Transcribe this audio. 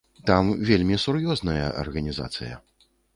Там вельмі сур'ёзная арганізацыя.